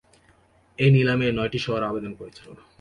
এই নিলামে নয়টি শহর আবেদন করেছিল।